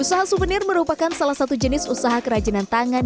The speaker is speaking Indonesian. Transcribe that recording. usaha souvenir merupakan salah satu jenis usaha kerajinan tangan